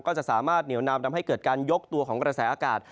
ก็จะสามารถเหนียวนำทำให้เกิดการยกตัวของกระแสอากาศ